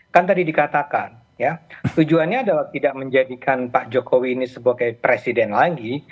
kan tadi dikatakan ya tujuannya adalah tidak menjadikan pak jokowi ini sebagai presiden lagi